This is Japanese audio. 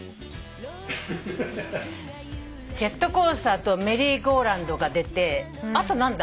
ジェットコースターとメリーゴーランドが出てあと何だ？